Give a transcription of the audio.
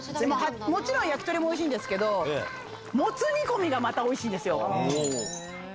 もちろん焼き鳥もおいしいんですけど、もつ煮込みが、またおいしいんですよ。